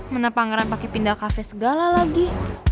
mana pangeran pakai pindah kafe segala lagi